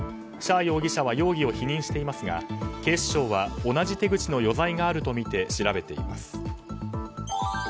シャー容疑者は容疑を否認していますが警視庁は同じ手口の余罪があるとみて調べています。